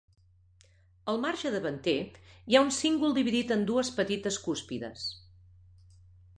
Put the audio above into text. Al marge davanter, hi ha un cíngol dividit en dues petites cúspides.